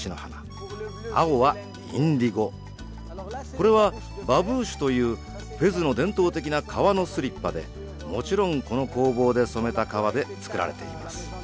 これはバブーシュというフェズの伝統的な革のスリッパでもちろんこの工房で染めた革で作られています。